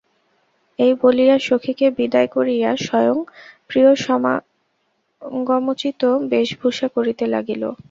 এই বলিয়া সখীকে বিদায় করিয়া স্বয়ং প্রিয়সমাগমোচিত বেশ ভূষা করিতে লাগিল।